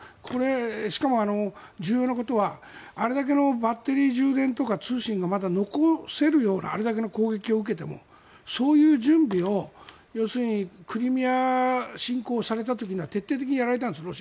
これ、しかも重要なことはあれだけのバッテリー充電とか通信がまだ残せるようなあれだけの攻撃を受けてもそういう準備を、要するにクリミア侵攻された時には徹底的にやられたんです。